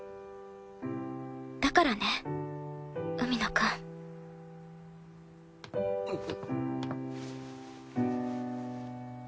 だからね海野くん。イッ！